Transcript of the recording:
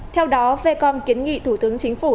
theo đó vecom kiến nghị thủ tướng chính phủ